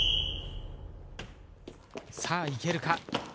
さあいけるか？